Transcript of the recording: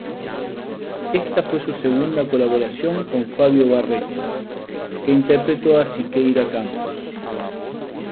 Esta fue su segunda colaboración con Fábio Barreto, que interpretó a Siqueira Campos.